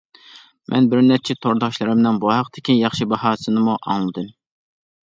مەن بىرنەچچە تورداشلىرىمنىڭ بۇ ھەقتىكى ياخشى باھاسىنىمۇ ئاڭلىدىم.